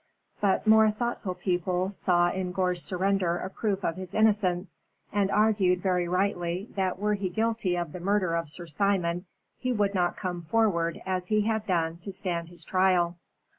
But more thoughtful people saw in Gore's surrender a proof of his innocence, and argued very rightly that were he guilty of the murder of Sir Simon, he would not come forward as he had done to stand his trial.